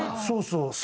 そうそう。